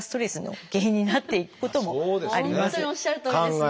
本当におっしゃるとおりですね。